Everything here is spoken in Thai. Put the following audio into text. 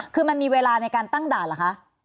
คือมันมีเวลาในการตั้งด่านเหรอคะ